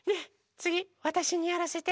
つぎわたしにやらせて。